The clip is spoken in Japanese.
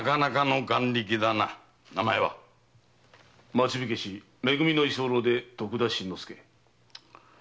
町火消し「め組」の居候で徳田新之助。